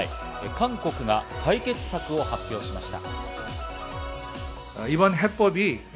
韓国が解決策を発表しました。